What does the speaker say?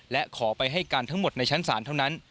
และขอไปให้การทั้งหมดในชั้นศาลเท่านั้น